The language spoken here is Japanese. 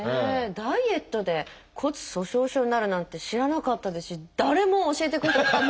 ダイエットで骨粗しょう症になるなんて知らなかったですし誰も教えてくれなかった。